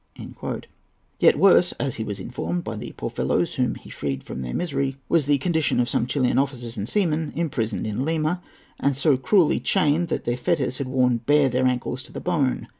Yet worse, as he was informed by the poor fellows whom he freed from their misery, was the condition of some Chilian officers and seamen imprisoned in Lima, and so cruelly chained that the fetters had worn bare their ankles to the bone.